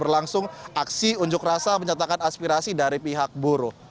berlangsung aksi unjuk rasa mencatatkan aspirasi dari pihak buruh